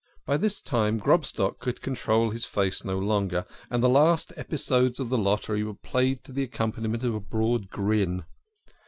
By this time Grob stock could control his face no longer, and the last episodes of the lottery were played to the accompaniment of a broad grin.